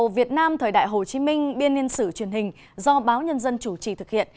việt nam thời đại hồ chí minh biên niên sử truyền hình do báo nhân dân chủ trì thực hiện